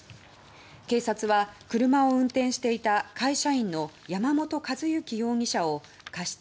警察は、車を運転していた会社員の山本和之容疑者を過失